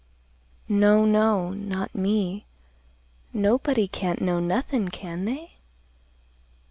"No, no, not me. Nobody can't know nothin', can they?"